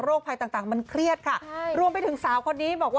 ภัยต่างมันเครียดค่ะรวมไปถึงสาวคนนี้บอกว่า